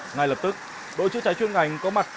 ngay lập tức đội chữa cháy chuyên ngành có mặt